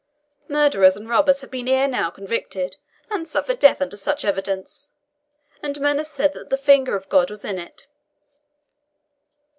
Murderers and robbers have been ere now convicted, and suffered death under such evidence, and men have said that the finger of God was in it.